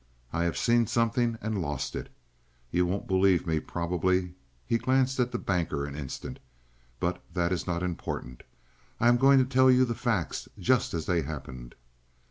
I have seen something and lost it. You won't believe me probably," he glanced at the Banker an instant, "but that is not important. I am going to tell you the facts, just as they happened."